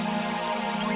terima kasih udah nonton